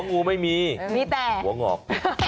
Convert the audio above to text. หัวงูไม่มีแต่หัวหงอก